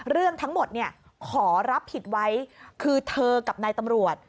เรื่องทั้งหมดเนี่ยขอรับผิดไว้คือเธอกับนายตำรวจ